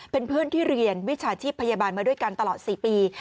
เป็นเพื่อนที่เรียนวิชาชีพพยาบาลมาด้วยกันตลอด๔ปี